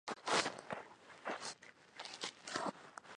The site was then developed by Treasury Holdings.